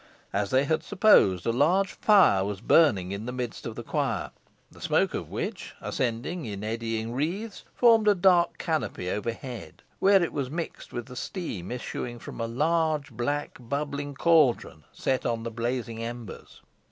As they had supposed, a large fire was burning in the midst of the choir, the smoke of which, ascending in eddying wreaths, formed a dark canopy overhead, where it was mixed with the steam issuing from a large black bubbling caldron set on the blazing embers.